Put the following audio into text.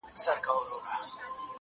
نور دي نو شېخاني كيسې نه كوي,